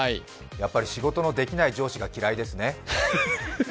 やっぱり仕事のできない上司が嫌いですね。